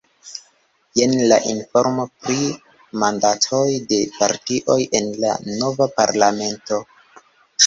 Jen la informo pri mandatoj de partioj en la nova parlamento.